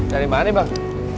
dari mana bang